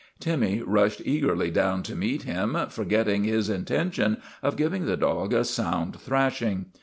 Timmy rushed eagerly down to meet him, for getting his intention of giving the dog a sound thrashing.